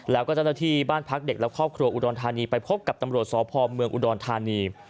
แล้วก็เจ้าหน้าที่บ้านพักเด็กและครอบครัวอุดรธานีไปพบกับตำรวจสพเมืองอุดรธานี